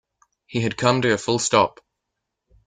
He had come to a full stop